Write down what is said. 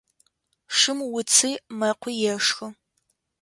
Шым уци мэкъуи ешхы.